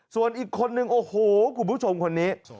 ส่วนอีกคนนึงโอ้โหคุณผู้ชมคนนี้